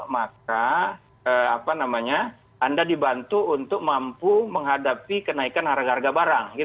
maka anda dibantu untuk mampu menghadapi kenaikan harga harga barang